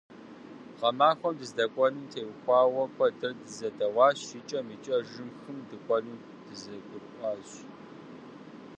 Гъэмахуэм дыздэкӀуэнум теухуауэ куэдрэ дызэдэуащ, икӀэм-икӀэжым хым дыкӀуэну дызэгурыӏуащ.